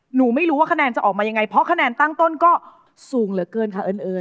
หนูไม่รู้ว่าคะแนนจะออกมายังไงเพราะคะแนนตั้งต้นก็สูงเหลือเกินค่ะเอิญ